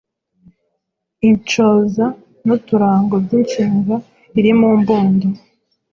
Inshoza n’uturango by’inshinga iri mu mbundo